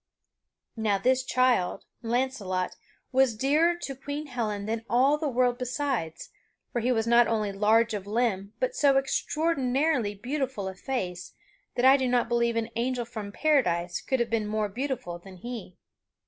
Now this child, Launcelot, was dearer to Queen Helen than all the world besides, for he was not only large of limb but so extraordinarily beautiful of face that I do not believe an angel from Paradise could have been more beautiful than he.